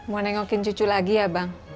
mau nengokin cucu lagi ya bang